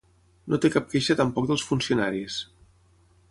No té cap queixa tampoc dels funcionaris.